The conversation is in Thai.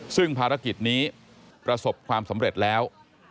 ซึ่งภารกิจนี้ประสบความสำเร็จแล้ว